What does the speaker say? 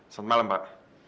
selamat malam pak